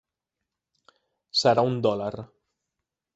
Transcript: Serà un dòlar.